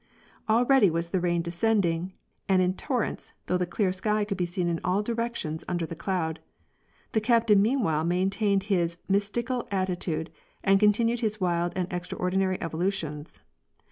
Already was the rain descend ing, and in torrents, though the clear sky could be seen in all directions under the cloud. The Captain meanwhile maintained his mystical atti tude and continued his wild and extraordinary evolutions.